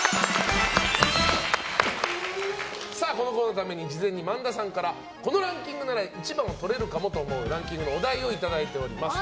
このコーナーのために事前に萬田さんからこのランキングなら一番をとれるかもと思うランキングのお題をいただいております。